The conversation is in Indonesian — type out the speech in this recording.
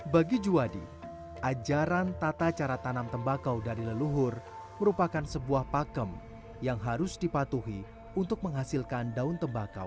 bagi juwadi ajaran tata cara tanam tembakau dari leluhur merupakan sebuah pakem yang harus dipatuhi untuk menghasilkan daun tembakau